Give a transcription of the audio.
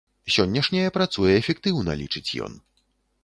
Сённяшняе працуе эфектыўна, лічыць ён.